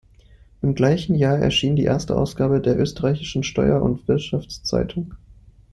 Im gleichen Jahr erschien die erste Ausgabe der Österreichischen Steuer- und Wirtschaftszeitung.